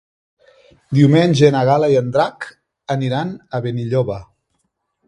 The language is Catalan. Diumenge na Gal·la i en Drac aniran a Benilloba.